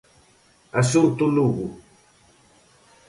Asunto Lugo.